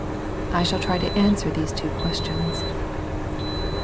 I shall try to answer these two questions.